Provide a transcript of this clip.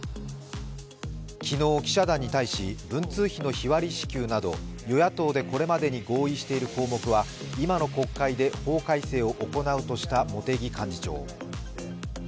昨日、記者団に対し、文通費の日割り支給など与野党でこれまでに合意している項目は今の国会で法改正を行うとした茂木幹事長。